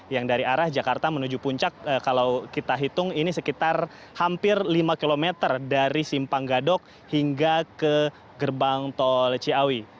yang dari arah jakarta menuju puncak kalau kita hitung ini sekitar hampir lima km dari simpang gadok hingga ke gerbang tol ciawi